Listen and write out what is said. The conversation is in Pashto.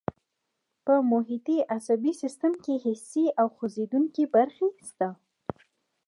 په محیطي عصبي سیستم کې حسي او خوځېدونکي برخې شته.